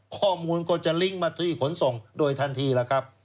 ข้อมูลก็จะลิงก์มาที่ขนส่งโดยทันทีแล้วครับ